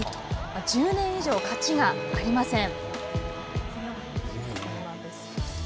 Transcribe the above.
１０年以上勝ちがありません。